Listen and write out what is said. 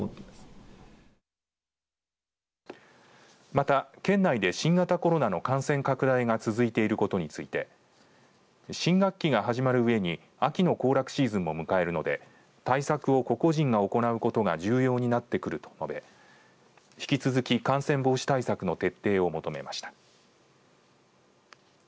また、県内で新型コロナの感染拡大が続いていることについて新学期が始まるうえに秋の行楽シーズンも迎えるので対策を個々人が行うことが重要になってくると述べ引き続き感染防止対策の徹底を求めました。